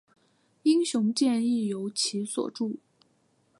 英雄剑亦由其所铸。